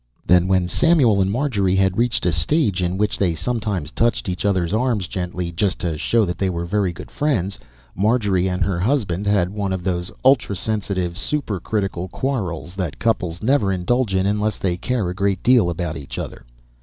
Then, when Samuel and Marjorie had reached a stage in which they sometimes touched each other's arms gently, just to show that they were very good friends, Marjorie and her husband had one of those ultrasensitive, supercritical quarrels that couples never indulge in unless they care a great deal about each other.